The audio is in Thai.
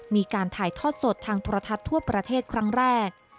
มีการถ่ายทอดสดทางโทรทัศน์ทั่วประเทศครั้งแรก